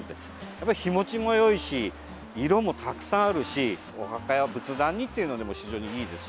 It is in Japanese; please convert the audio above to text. やっぱり日持ちもよいし色もたくさんあるしお墓や仏壇にっていうのでも非常にいいです。